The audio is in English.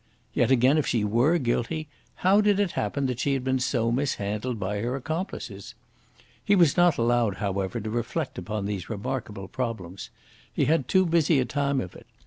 Yet again, if she were guilty, how did it happen that she had been so mishandled by her accomplices? He was not allowed, however, to reflect upon these remarkable problems. He had too busy a time of it.